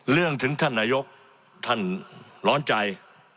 ถึงท่านนายกท่านร้อนใจ